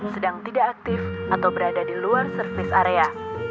sedang tidak aktif atau berada di luar service area